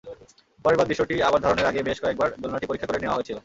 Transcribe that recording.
পরেরবার দৃশ্যটি আবার ধারণের আগে বেশ কয়েকবার দোলনাটি পরীক্ষা করে নেওয়া হয়েছিল।